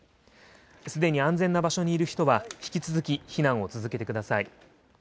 すでに安全な場所にいる人は引き続き避難を続けてください。